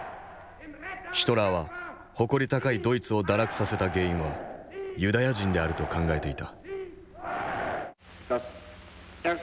ヒトラーは誇り高いドイツを堕落させた原因はユダヤ人であると考えていた。